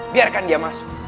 biarkan dia masuk